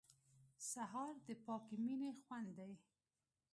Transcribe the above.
سهار د پاکې مینې خوند دی.